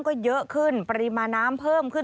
สวัสดีค่ะสวัสดีค่ะ